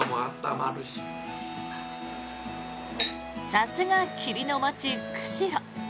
さすが霧の街・釧路。